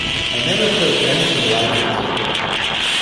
I never heard anything like it.